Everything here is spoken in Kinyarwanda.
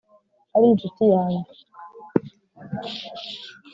ari inshuti yange